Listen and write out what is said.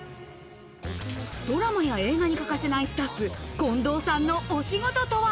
ドラマや映画に欠かせないスタッフ、近藤さんのお仕事とは？